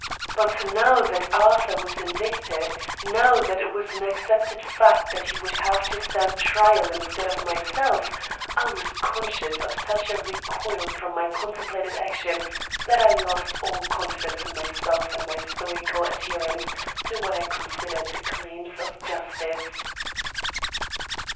But now that Arthur was indicted now that it was an accepted fact that he would have to stand trial instead of myself, I was conscious of such a recoil from my contemplated action that I lost all confidence in myself and my stoical adherence to what I considered the claims of justice.